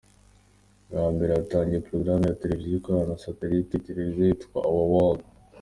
Bwa mbere hatangiye porogaramu ya Televiziyo ikorana na satellite, iyi televiziyo yitwa Our World.